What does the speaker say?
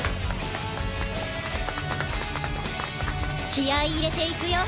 気合い入れていくよ！